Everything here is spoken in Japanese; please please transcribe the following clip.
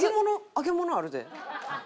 揚げ物あるで。